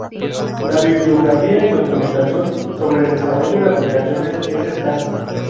La bibliografía y documentación sobre el desarrollo de aplicaciones es escasa.